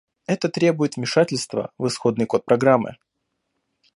Это требует вмешательства в исходный код программы